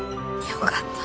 よかった。